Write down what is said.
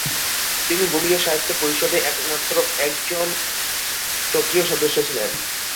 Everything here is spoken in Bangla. তিনি বঙ্গীয় সাহিত্য পরিষদের একজন সক্রিয় সদস্য ছিলেন।